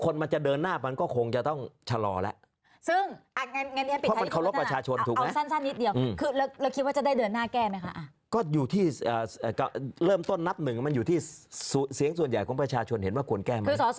แล้วเห็นว่าไม่ควรแก้